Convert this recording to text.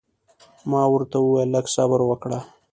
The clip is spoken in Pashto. ما ورته وویل لږ صبر وکړه.